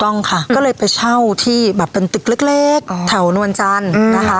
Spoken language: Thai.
ต้องค่ะก็เลยไปเช่าที่แบบเป็นตึกเล็กแถวนวลจันทร์นะคะ